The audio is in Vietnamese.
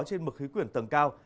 trên mực khí quyển tầng cao